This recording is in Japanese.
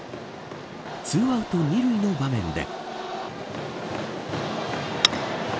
２アウト２塁の場面で。